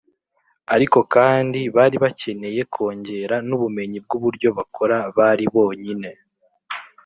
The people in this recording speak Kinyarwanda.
ariko kandi bari bakeneye kongera n’ubumenyi bw’uburyo bakora bari bonyine